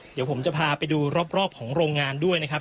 เดี๋ยวผมจะพาไปดูรอบของโรงงานด้วยนะครับ